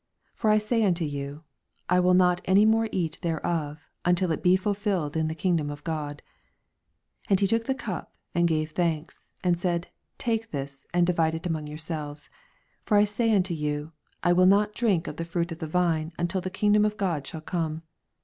16 For I say unto you, I will not any more eat thereof, until it be ful filled in the kingdom of God. 17 And he took the cupj and ffave thanks, and said. Take this, and di vide it among yourselves : 18 For I say unto you, I will not drink of the fruit of the vine, ulVU the kingdom of God shall come.